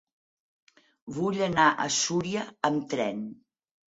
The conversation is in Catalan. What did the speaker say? Vull anar a Súria amb tren.